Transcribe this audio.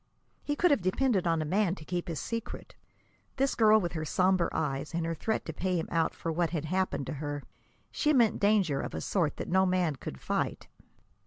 He could have depended on a man to keep his secret. This girl with her somber eyes and her threat to pay him out for what had happened to her she meant danger of a sort that no man could fight.